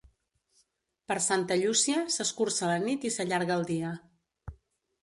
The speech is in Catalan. Per Santa Llúcia, s'escurça la nit i s'allarga el dia.